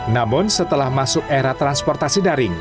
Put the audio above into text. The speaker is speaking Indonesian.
namun setelah masuk era transportasi daring